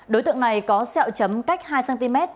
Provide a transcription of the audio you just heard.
đối tượng này có sẹo chấm cách hai cm